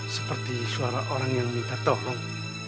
seperti suara orang yang minta tolong